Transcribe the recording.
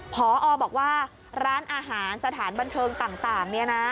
พอบอกว่าร้านอาหารสถานบันเทิงต่างเนี่ยนะ